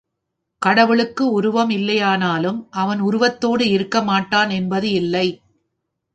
கடவுளுக்கு உருவம் இல்லையானாலும் அவன் உருவத்தோடு இருக்க மாட்டான் என்பது இல்லை.